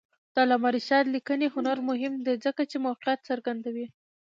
د علامه رشاد لیکنی هنر مهم دی ځکه چې موقعیت څرګندوي.